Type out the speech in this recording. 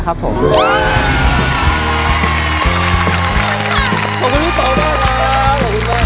ขอบคุณพี่ปองด้วยนะขอบคุณมากขอบคุณมาก